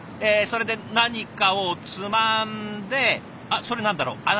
えそれで何かをつまんであっそれ何だろう？